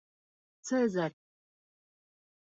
Цезарь!